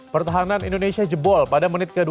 pertahanan indonesia jebol pada menit ke dua puluh delapan